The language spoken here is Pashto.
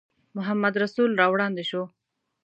محمدرسول را وړاندې شو.